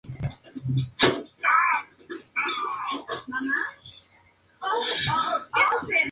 Se puede extraer como mena de plata altamente concentrada.